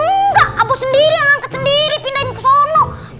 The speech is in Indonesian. enggak bos sendiri yang angkat sendiri pindahin ke sana